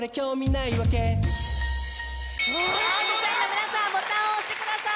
皆さんボタンを押してください。